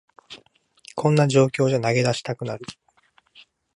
こんな状況じゃ投げ出したくなる